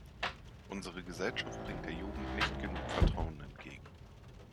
Unsere Gesellschaft bringt der Jugend nicht genug Vertrauen entgegen.